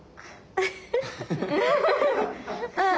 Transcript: ああ。